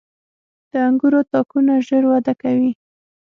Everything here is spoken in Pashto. • د انګورو تاکونه ژر وده کوي.